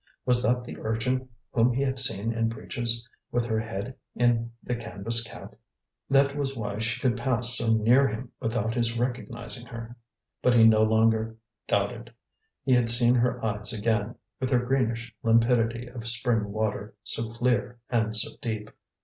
Was that the urchin whom he had seen in breeches, with her head in the canvas cap? That was why she could pass so near him without his recognizing her. But he no longer doubted; he had seen her eyes again, with their greenish limpidity of spring water, so clear and so deep.